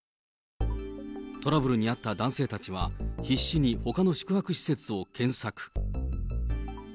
トラブルに遭った男性たちは必死にほかの宿泊施設を検索。